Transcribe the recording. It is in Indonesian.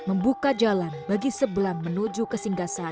membuka jalan bagi sebelah menuju kesinggasan